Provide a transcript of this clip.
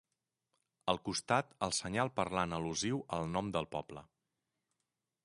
Al costat, el senyal parlant al·lusiu al nom del poble.